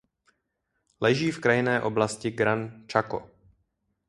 Leží v krajinné oblasti Gran Chaco.